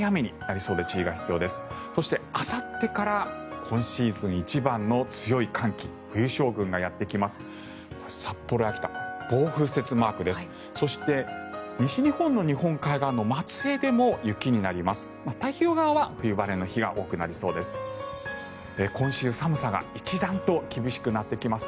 そして、西日本の日本海側の松江でも雪になります。